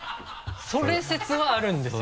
それ説はあるんですよ